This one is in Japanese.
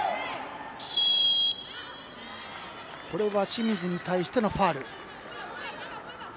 清水に対してのファウル。